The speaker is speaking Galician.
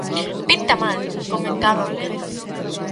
"Pinta mal", comentaba un deles.